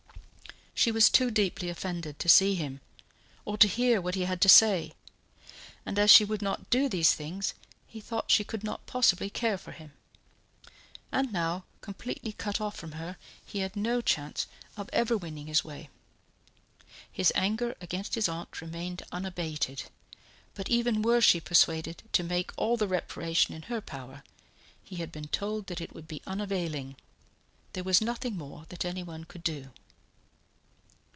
She was too deeply offended to see him, or to hear what he had to say, and as she would not do these things he thought she could not possibly care for him. And now, completely cut off from her, he had no chance of ever winning his way. His anger against his aunt remained unabated; but even were she persuaded to make all the reparation in her power, he had been told that it would be unavailing; there was nothing more that anyone could do.